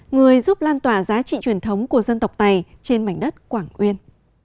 người giúp lan tỏa giá trị truyền thống của dân tộc tây trên mảnh đất quảng uyên